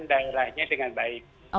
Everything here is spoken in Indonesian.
daerahnya dengan baik